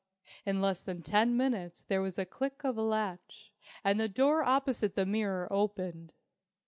In less than ten minutes there was the click of a latch, and the door opposite the mirror opened.